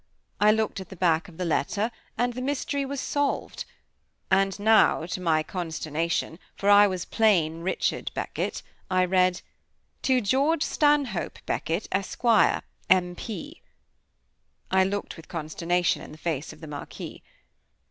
I looked at the back of the letter, and the mystery was solved. And now, to my consternation for I was plain Richard Beckett I read: "To George Stanhope Beckett, Esq., M.P." I looked with consternation in the face of the Marquis.